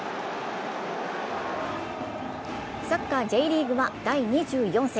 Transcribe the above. サッカー、Ｊリーグは第２４節。